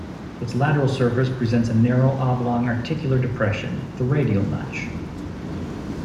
Its lateral surface presents a narrow, oblong, articular depression, the radial notch.